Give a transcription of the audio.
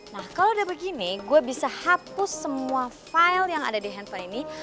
nah kalau udah begini gue bisa hapus semua file yang ada di handphone ini